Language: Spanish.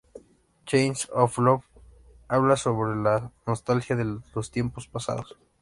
Chains of Love habla sobre la nostalgia de los tiempos pasados.